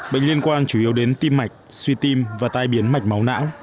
bệnh liên quan chủ yếu đến tim mạch suy tim và tai biến mạch máu não